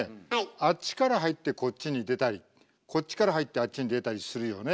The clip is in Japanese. あっちから入ってこっちに出たりこっちから入ってあっちに出たりするよね。